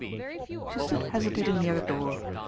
She stood hesitating near the door.